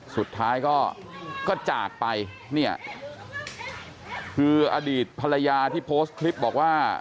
สุดท้ายก็จากไปเนี่ยคืออดีตภรรยาที่โพสต์คลิปบอกว่า